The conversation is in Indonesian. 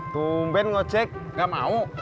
tumben ngocet nggak mau